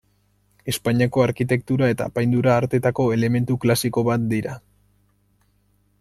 Espainiako arkitektura eta apaindura arteetako elementu klasiko bat dira.